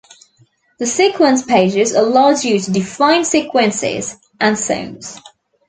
The Sequence pages allowed you to define sequences and songs.